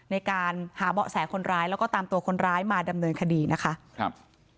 ในการหาเบาะแสคนร้ายแล้วก็ตามตัวคนร้ายมาดำเนินคดีนะคะครับ